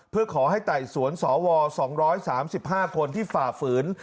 เพื่อขอให้ไต่สวนสว๒๓๕คนที่ฝ่าฝืน